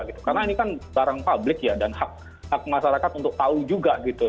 karena ini kan barang publik ya dan hak masyarakat untuk tahu juga gitu